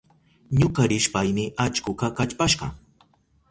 Ñuka rishpayni allkuka kallpashka.